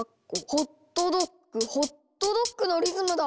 「ホットドッグホットドッグ」のリズムだ！